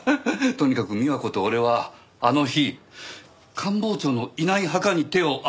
とにかく美和子と俺はあの日官房長のいない墓に手を合わせてたわけですよね？